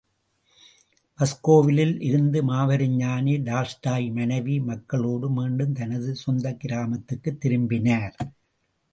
மாஸ்கோவிலே இருந்த மாபெரும் ஞானி டால்ஸ்டாய் மனைவி மக்களோடு மீண்டும் தனது சொந்தக் கிராமத்துக்குத் திரும்பினார்.